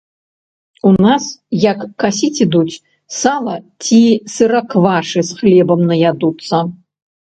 У нас, як касіць ідуць, сала ці сыраквашы з хлебам наядуцца.